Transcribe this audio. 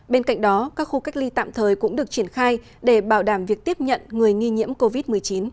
bên cạnh đó các khu cách ly tạm thời cũng được triển khai để bảo đảm việc tiếp nhận người nghi nhiễm covid một mươi chín